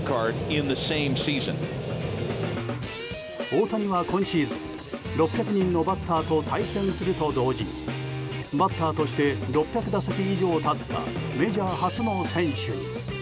大谷は今シーズン、６００人のバッターと対戦すると同時にバッターとして６００打席以上立ったメジャー初の選手。